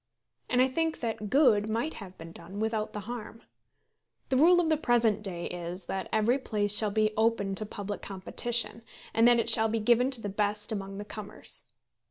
And I think that good might have been done without the harm. The rule of the present day is, that every place shall be open to public competition, and that it shall be given to the best among the comers.